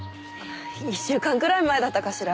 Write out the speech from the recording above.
１週間くらい前だったかしら。